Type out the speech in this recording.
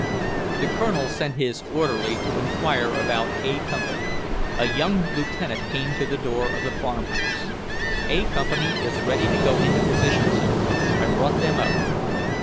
The Colonel sent his orderly to enquire about A Company. A young Lieutenant came to the door of the farmhouse. "A Company is ready to go into position, sir. I brought them up."